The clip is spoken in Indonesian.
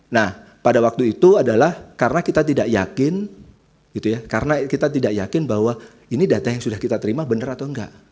nah pada waktu itu adalah karena kita tidak yakin karena kita tidak yakin bahwa ini data yang sudah kita terima benar atau enggak